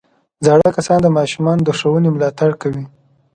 زاړه کسان د ماشومانو د ښوونې ملاتړ کوي